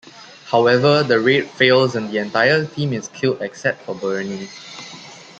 However, the raid fails and the entire team is killed except for Bernie.